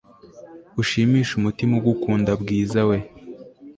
ushimishe umutima ugukunda bwiza we